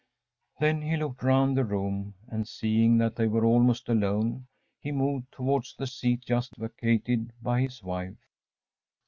‚ÄĚ Then he looked round the room, and, seeing that they were almost alone, he moved towards the seat just vacated by his wife.